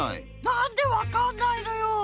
なんでわかんないのよ。